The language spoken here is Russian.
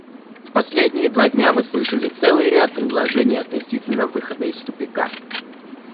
В последние два дня мы слышали целый ряд предложений относительно выхода из тупика.